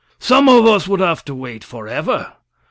"Some of us would have to wait forever.